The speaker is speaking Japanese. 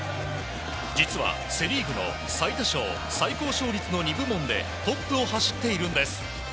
実は、セ・リーグの最多勝、最高勝率の２部門でトップを走っているんです。